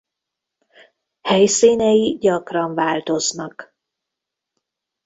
Helyszínei gyakran változnak.